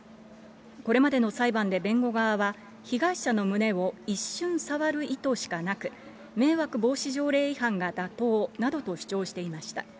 これまでの裁判で弁護側は、被害者の胸を一瞬触る意図しかなく、迷惑防止条例違反が妥当などと主張していました。